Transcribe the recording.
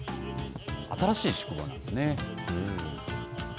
新しい宿坊なんですね。